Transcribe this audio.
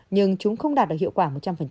nhưng chúng không đạt được hiệu quả một trăm linh